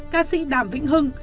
ca sĩ đàm vĩnh hưng